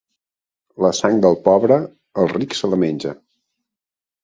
La sang del pobre, el ric se la menja.